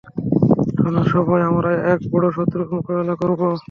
শোনো সবাই, আমরা এক বড় শত্রুর মোকাবেলা করব।